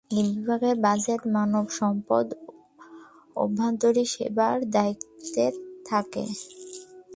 এই বিভাগ বাজেট, মানবসম্পদ, আভ্যন্তরীণ সেবার দায়িত্বে থাকে।